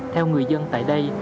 theo người dân tại đây